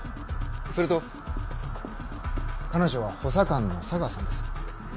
それと彼女は補佐官の茶川さんです。